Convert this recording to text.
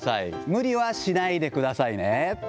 無理はしないでくださいね。